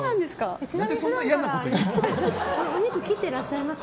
お肉切ってらっしゃいますか？